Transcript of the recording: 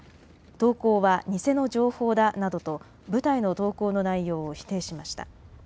投稿は偽の情報だなどと部隊の投稿の内容を否定しました。